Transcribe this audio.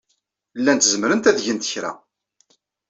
Llant zemrent ad gent kra.